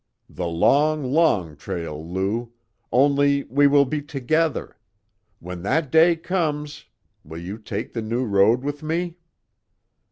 "The long, long trail, Lou, only we will be together! When that day comes, will you take the new road with me?"